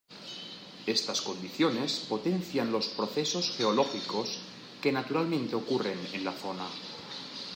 Estas condiciones potencian los procesos geológicos que naturalmente ocurren en la zona.